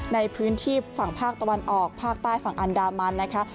ในพื้นที่ฝั่งภาคตะวันออกภาคใต้ฝั่งอันดามันนะคะ